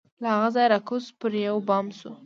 له هغه ځایه را کوز پر یوه بام سو